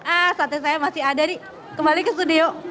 ah saatnya saya masih ada nih kembali ke studio